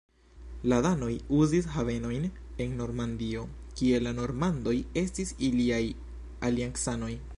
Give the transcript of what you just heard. La danoj uzis havenojn en Normandio kie la normandoj estis iliaj aliancanoj.